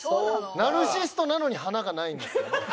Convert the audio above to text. ナルシストなのに華がないんですね。